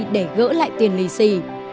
để gỡ lại tiền lì xì